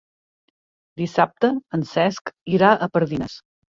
Dissabte en Cesc irà a Pardines.